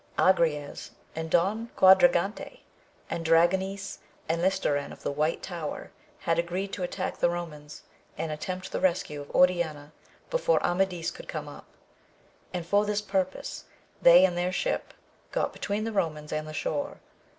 Agrayes and Don Quadragante, and Dragonis and Listoran of the White Tower had agreed to attack the Romans and attempt the rescue of Oriana before Amadis could come up, and for this purpose they and their ship got between the Eomans and the shore.